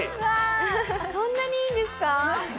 そんなにいいんですか？